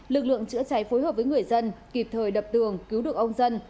lực lượng chữa cháy phối hợp với người dân kịp thời đập tường cứu được ông dân